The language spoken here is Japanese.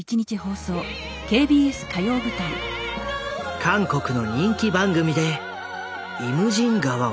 韓国の人気番組で「イムジン河」を熱唱。